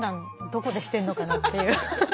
どこでしてんのかなっていう。